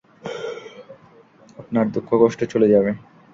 আপনার দুঃখ কষ্ট চলে যাবে।